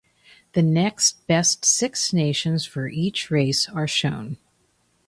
The next best six nations for each race are shown.